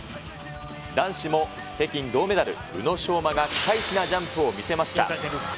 男子も北京銅メダル、宇野昌磨がピカイチなジャンプを見せました。